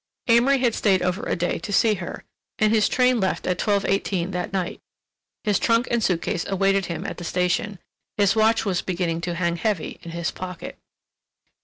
Amory had stayed over a day to see her, and his train left at twelve eighteen that night. His trunk and suitcase awaited him at the station; his watch was beginning to hang heavy in his pocket.